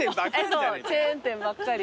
そうチェーン店ばっかり。